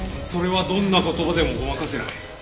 それはどんな言葉でもごまかせない。